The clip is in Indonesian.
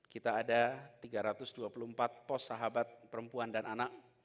kita ada tiga ratus dua puluh empat pos sahabat perempuan dan anak